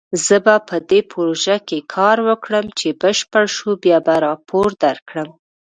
زه به په دې پروژه کار وکړم، چې بشپړ شو بیا به راپور درکړم